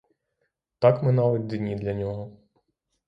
Так минали дні для нього.